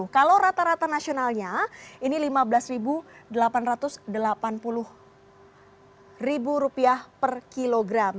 kalau rata rata nasionalnya ini rp lima belas delapan ratus delapan puluh per kilogram